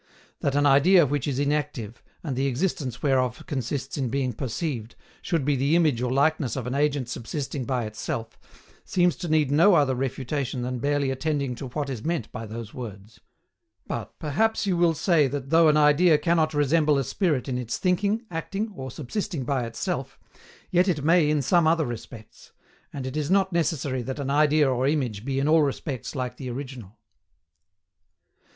That an idea which is inactive, and the existence whereof consists in being perceived, should be the image or likeness of an agent subsisting by itself, seems to need no other refutation than barely attending to what is meant by those words. But, perhaps you will say that though an idea cannot resemble a spirit in its thinking, acting, or subsisting by itself, yet it may in some other respects; and it is not necessary that an idea or image be in all respects like the original. 138.